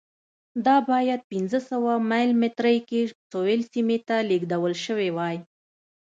دا باید پنځه سوه مایل مترۍ کې سویل سیمې ته لېږدول شوې وای.